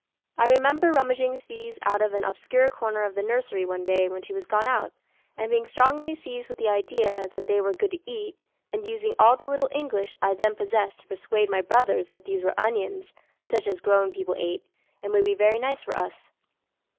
I remember rummaging these out of an obscure corner of the nursery one day when she was gone out, and being strongly seized with the idea that they were good to eat, and using all the little English I then possessed to persuade my brothers that these were onions, such as grown people ate, and would be very nice for us.